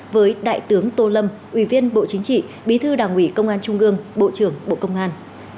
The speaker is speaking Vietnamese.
với đại tướng tô lâm ủy viên bộ chính trị bí thư đảng ủy công an trung gương bộ trưởng bộ công an